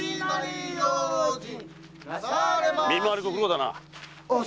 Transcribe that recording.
見回りご苦労だな。